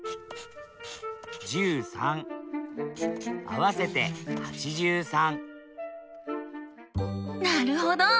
合わせて８３なるほど！